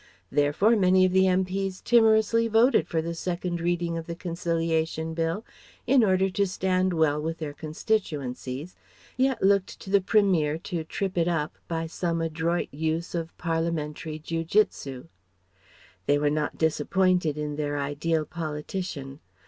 Therefore many of the M.P.'s timorously voted for the second reading of the Conciliation Bill in order to stand well with their Constituencies, yet looked to the Premier to trip it up by some adroit use of Parliamentary jiu jitsu. They were not disappointed in their ideal politician.